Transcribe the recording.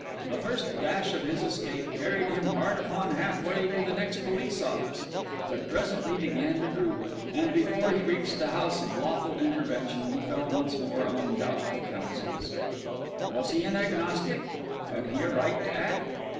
The first dash of his escape carried him hard upon half way to the next police office: but presently began to droop; and before he reached the house of lawful intervention, he fell once more among doubtful counsels. Was he an agnostic? had he a right to act?